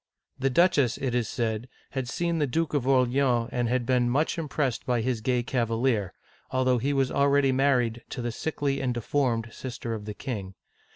The duchess, it is said, had seen the Duke of Orleans, and had been much im pressed by this gay cav alier, although he was already married to the sickly and deformed sister of the king.